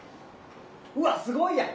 うわっすごいやん。